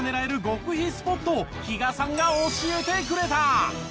スポットを比嘉さんが教えてくれた。